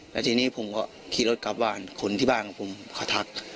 แล้วทีนี้ผมก็ขี่รถกลับบ้านคนที่บ้านของผมเขาทัก